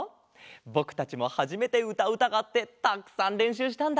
ぼくたちもはじめてうたううたがあってたくさんれんしゅうしたんだ。